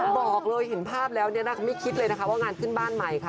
บอกเลยเห็นภาพแล้วเนี่ยนะคะไม่คิดเลยนะคะว่างานขึ้นบ้านใหม่ค่ะ